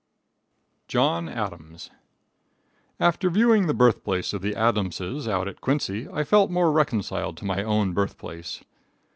John Adams. After viewing the birthplace of the Adamses out at Quincy I felt more reconciled to my own birthplace.